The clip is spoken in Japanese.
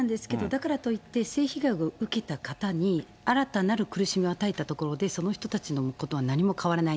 だからといって性被害を受けた方に、新たなる苦しみを与えたところで、その人たちのことは何も変わらない。